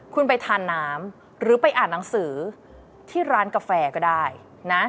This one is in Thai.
คุณไปทานน้ำหรือไปอ่านหนังสือที่ร้านกาแฟก็ได้นะ